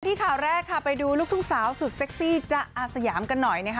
ที่ข่าวแรกค่ะไปดูลูกทุ่งสาวสุดเซ็กซี่จ๊ะอาสยามกันหน่อยนะคะ